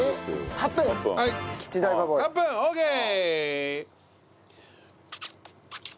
８分オーケー。